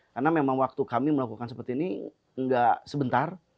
karena memang waktu kami melakukan seperti ini tidak sebentar